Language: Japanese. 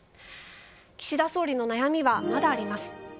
岸田総理の悩みはまだあります。